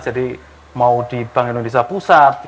jadi mau di bank indonesia pusat